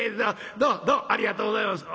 どうもどうもありがとうございます」。